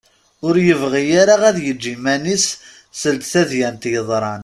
Ur yebɣi ara ad t-yeǧǧ iman-is seld tadyant yeḍran.